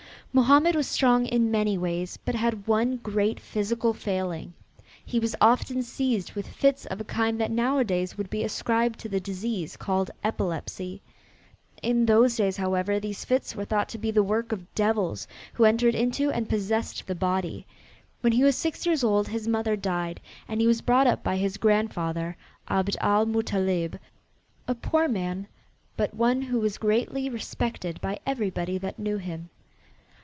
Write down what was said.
Mohammed was strong in many ways, but had one great physical failing: he was often seized with fits of a kind that nowadays would be ascribed to the disease called epilepsy. In those days, however, these fits were thought to be the work of devils who entered into and possessed the body. When he was six years old his mother died and he was brought up by his grandfather, Abd al Muttalib, a poor man, but one who was greatly respected by everybody that knew him.